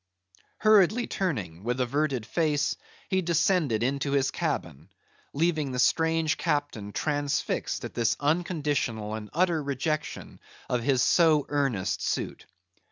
Hurriedly turning, with averted face, he descended into his cabin, leaving the strange captain transfixed at this unconditional and utter rejection of his so earnest suit.